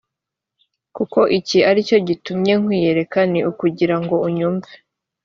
kuko iki ari cyo gitumye nkwiyereka ni ukugira ngo unyumve